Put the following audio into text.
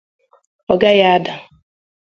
ọ gaghị ada